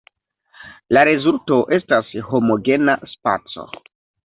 La rezulto estas homogena spaco.